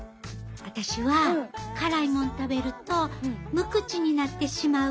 私は辛いもん食べると無口になってしまう。